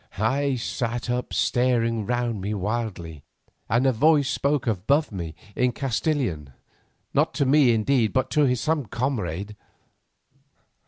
I sat up staring round me wildly, and a voice spoke above me in Castilian, not to me indeed but to some comrade.